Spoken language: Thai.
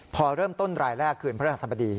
พอเริ่มต้นรายแรกคืนพระราชสมดี